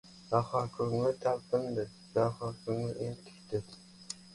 Daho ko‘ngli talpindi, Daho ko‘ngli entikdi.